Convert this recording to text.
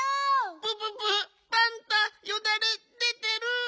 プププパンタよだれ出てる！